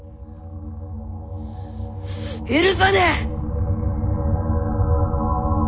許さねえ！